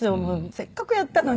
せっかくやったのに。